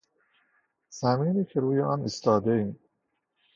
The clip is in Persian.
زمینی که روی آن ایستادیم